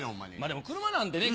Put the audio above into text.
でも車なんてね